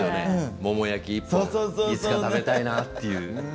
もも焼き１本いつか食べたいなと。